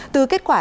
từ kết quả